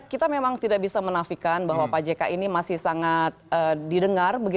kita memang tidak bisa menafikan bahwa pak jk ini masih sangat didengar